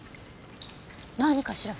何かしら？